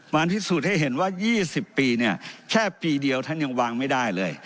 มันพิสูจน์ให้เห็นว่า๒๐ปีเนี่ยแค่ปีเดียวท่านยังวางไม่ได้เลย